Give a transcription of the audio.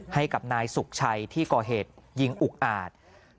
ให้กับนายสุขชัยที่ก่อเหตุยิงอุกอาจ